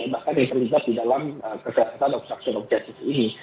bahkan yang terlibat dalam kegiatan dan struktur objek ini